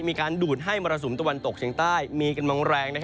มีการดูดให้มรสุมตะวันตกเฉียงใต้มีกำลังแรง